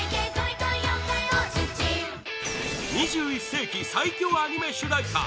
２１世紀、最強アニメ主題歌